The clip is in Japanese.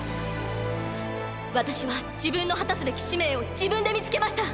私は自分の果たすべき使命を自分で見つけました。